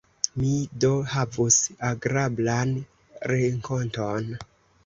Mi do havus agrablan renkonton!